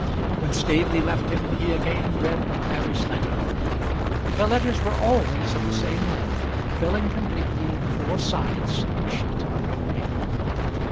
When Staveley left him he again read Mary's letter. Her letters were always of the same length, filling completely the four sides of a sheet of note paper.